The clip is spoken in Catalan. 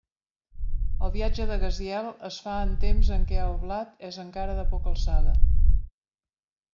El viatge de Gaziel es fa en temps en què el blat és encara de poca alçada.